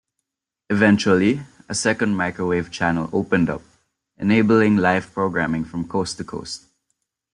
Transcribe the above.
Eventually, a second microwave channel opened up, enabling live programming from coast to coast.